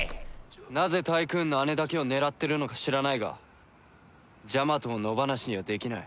なぜタイクーンの姉だけを狙ってるのか知らないがジャマトを野放しにはできない。